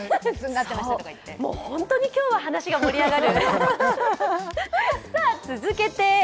もう、本当に今日は話が盛り上がる。